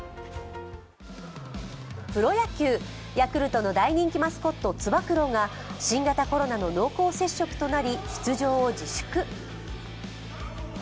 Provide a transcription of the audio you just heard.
プロ野球、ヤクルトの大人気マスコット、つば九郎が新型コロナの濃厚接触となり、出場を自粛。